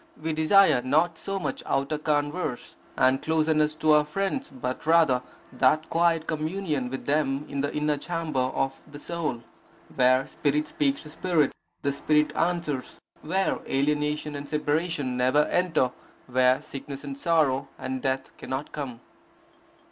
We desire not so much outer converse and closeness to our friends, but rather that quiet communion with them in the inner chamber of the soul, where spirit speaks to spirit, and spirit answers; where alienation and separation never enter; where sickness and sorrow and death cannot come.